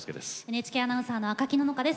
ＮＨＫアナウンサーの赤木野々花です。